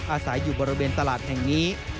อาศัยอยู่บริเวณตลาดแห่งนี้